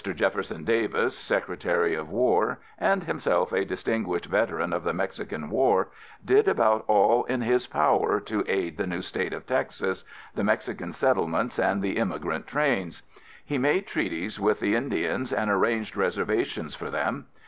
Jefferson Davis, Secretary of War, and himself a distinguished veteran of the Mexican War, did about all in his power to aid the new state of Texas, the Mexican settlements and the immigrant trains. He made treaties with the Indians and arranged reservations for them.